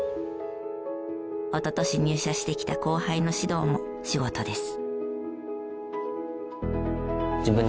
おととし入社してきた後輩の指導も仕事です。